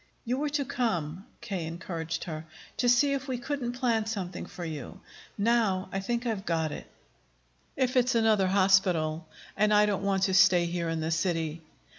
"You were to come," K. encouraged her, "to see if we couldn't plan something for you. Now, I think I've got it." "If it's another hospital and I don't want to stay here, in the city."